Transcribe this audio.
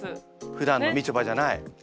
ふだんのみちょぱじゃない。